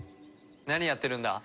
何やってるんだ？